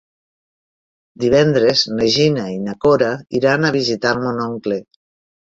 Divendres na Gina i na Cora iran a visitar mon oncle.